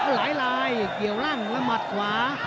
หลายเกี่ยวร่างแล้วหมัดขวา